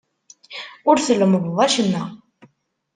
Ur tlemmdeḍ acemma.